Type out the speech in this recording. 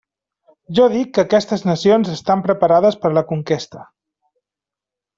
Jo dic que aquestes nacions estan preparades per a la conquesta.